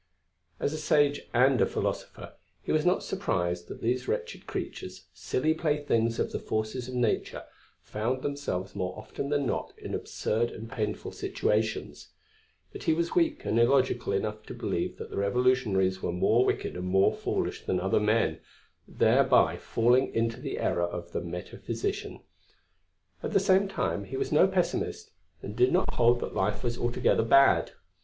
As a sage and a philosopher, he was not surprised that these wretched creatures, silly playthings of the forces of nature, found themselves more often than not in absurd and painful situations; but he was weak and illogical enough to believe that the Revolutionaries were more wicked and more foolish than other men, thereby falling into the error of the metaphysician. At the same time he was no Pessimist and did not hold that life was altogether bad.